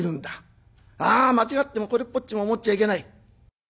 ああ間違ってもこれっぽっちも思っちゃいけない。